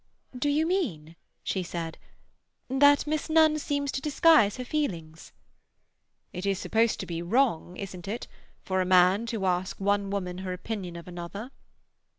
"Do you mean," she said, "that Miss Nunn seems to disguise her feelings?" "It is supposed to be wrong—isn't it?—for a man to ask one woman her opinion of another."